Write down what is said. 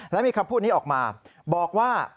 และมีคำพูดนี้ออกมาบอกว่า